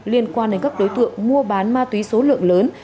liên quan đến các đối tượng mua bán ma túy số lượng lớn